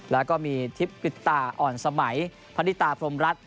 แล้วก็มีทิพย์กฤษตาอ่อนสมัยพนิตาพรมรัฐ